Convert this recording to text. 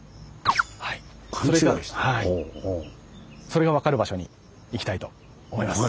それが分かる場所に行きたいと思います。